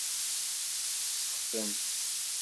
Sexten.